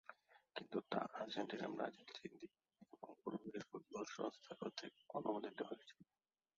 কিন্তু তা Argentina, Brazil, Chile এবং উরুগুয়ের ফুটবল সংস্থা কর্তৃক অনুমোদিত হয়েছিল।